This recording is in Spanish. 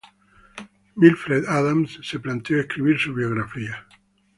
Mildred Adams se planteó escribir su biografía.